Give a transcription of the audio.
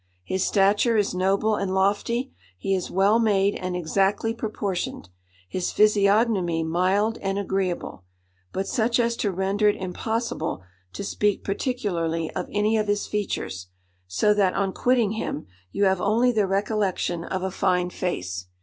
His stature is noble and lofty, he is well made and exactly proportioned; his physiognomy mild and agreeable, but such as to render it impossible to speak particularly of any of his features; so that on quitting him, you have only the recollection of a fine face.